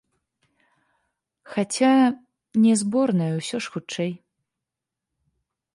Хаця, не, зборная ўсё ж хутчэй.